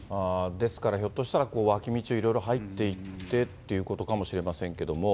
ですから、ひょっとしたら、脇道をいろいろ入って行ってっていうことかもしれませんけども。